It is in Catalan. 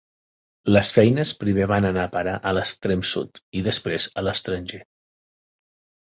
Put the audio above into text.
Les feines primer van anar a parar a l'extrem sud, i després, a l'estranger.